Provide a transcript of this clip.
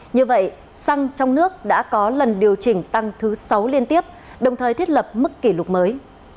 như vậy xăng trong nước đã có lần điều chỉnh tăng thứ sáu liên tiếp đồng thời thiết lập mức kỷ lục mới